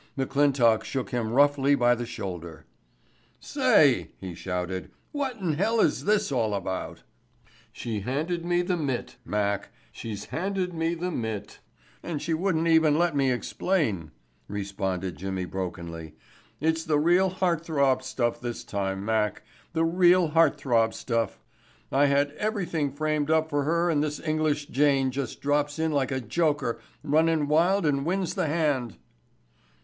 McClintock shook him roughly by the shoulder. "Say," he shouted. "What in hell is this all about?" "She handed me the mitt, Mac—she's handed me the mitt, and she wouldn't even let me explain," responded Jimmy brokenly. "It's the real heart throb stuff this time, Mac, the real heart throb stuff. I had everything framed up for her and this English jane just drops in like a joker runnin' wild and wins the hand."